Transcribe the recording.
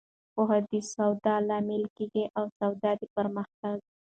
پوهه د سواد لامل کیږي او سواد د پرمختګ.